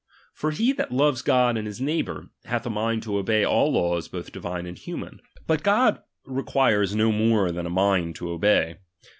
For he that loves God and his neighbour, hath a mind to obey all laws, both divine and human. But God requires no more than a mind to obey.